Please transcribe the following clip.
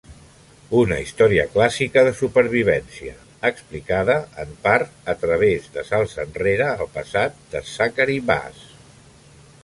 Una història clàssica de supervivència, explicada en part a través de salts enrere al passat de Zachary Bass.